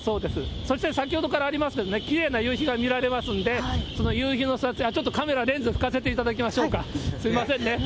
そして先ほどからありますけどね、きれいな夕日が見られますんで、その夕日の撮影、ちょっとカメラ、レンズ拭かせていただきましょうか、すみませんね。